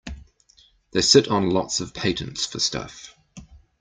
They sit on lots of patents for stuff.